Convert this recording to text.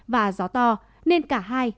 và gió to nên cả hai